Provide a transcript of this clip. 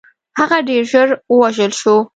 هغه ډېر ژر ووژل شو.